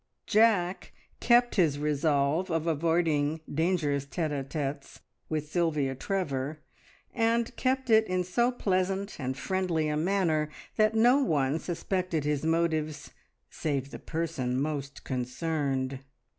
Jack kept his resolve of avoiding dangerous tete a tetes with Sylvia Trevor, and kept it in so pleasant and friendly a manner that no one suspected his motives save the person most concerned.